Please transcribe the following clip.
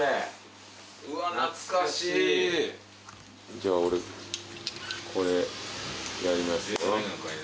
じゃあ俺これやりますよ。